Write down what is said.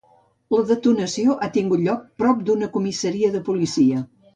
La detonació ha tingut lloc prop d’una comissaria de policia.